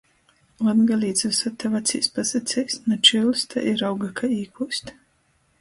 Latgalīts vysod tev acīs pasaceis, no čiuļs tai i rauga kai īkūst.